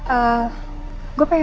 takut gue bacain ya